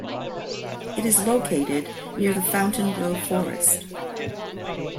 It is located near the Fontainebleau Forest.